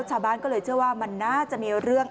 ชาวบ้านก็เลยเชื่อว่ามันน่าจะมีเรื่อง